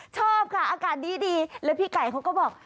ชอบค่ะอากาศดีแล้วพี่ไก่เขาก็บอก